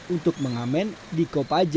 untuk mencari penyelidikan yang tidak berhasil